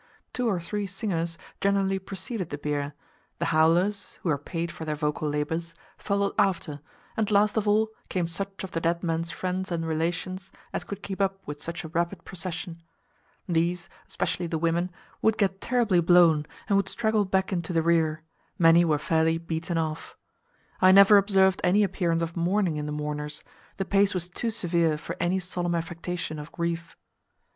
Two or three singers generally preceded the bier; the howlers (who are paid for their vocal labours) followed after, and last of all came such of the dead man's friends and relations as could keep up with such a rapid procession; these, especially the women, would get terribly blown, and would straggle back into the rear; many were fairly "beaten off." I never observed any appearance of mourning in the mourners: the pace was too severe for any solemn affectation of grief.